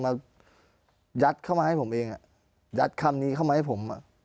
มายัดเข้ามาให้ผมเองอ่ะยัดคำนี้เข้ามาให้ผมอ่ะ